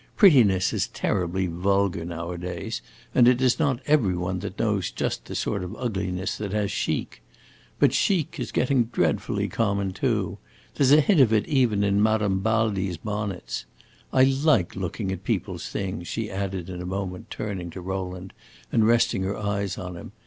Prettiness is terribly vulgar nowadays, and it is not every one that knows just the sort of ugliness that has chic. But chic is getting dreadfully common too. There 's a hint of it even in Madame Baldi's bonnets. I like looking at people's things," she added in a moment, turning to Rowland and resting her eyes on him.